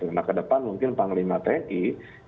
nah ke depan mungkin panglima tni yang memiliki